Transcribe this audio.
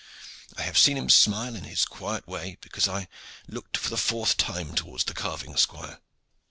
I have seen him smile in his quiet way because I had looked for the fourth time towards the carving squire.